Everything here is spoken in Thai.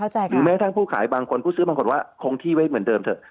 หรือแม้ทั้งผู้ขายบางคนผู้ซื้อบางคนว่าคงที่ไว้เหมือนเดิมเถอะ